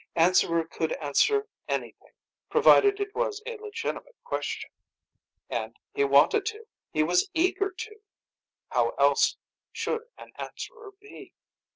Answerer could answer anything, provided it was a legitimate question. And he wanted to! He was eager to! How else should an Answerer be?